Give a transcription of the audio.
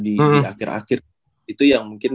di akhir akhir itu yang mungkin